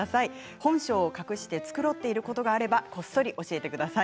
本性を隠して繕っていることがあればこっそり教えてください。